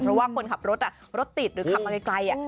เพราะว่าคนขับรถรถติดหรือขับมาไกล